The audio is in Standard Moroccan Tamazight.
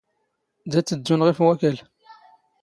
ⴷⴰ ⵜⵜⴷⴷⵓⵏ ⵖⵉⴼ ⵡⴰⴽⴰⵍ.